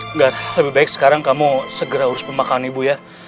enggak lebih baik sekarang kamu segera urus pemakaman ibu ya